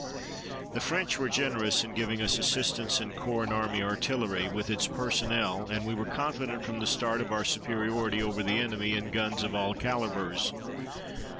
The French were generous in giving us assistance in corps and army artillery, with its personnel, and we were confident from the start of our superiority over the enemy in guns of all calibres.